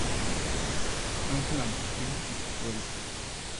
Angela Merkel visitó el set.